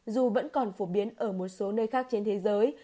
dù vẫn còn phổ biến ở một số nơi khác trên thế giới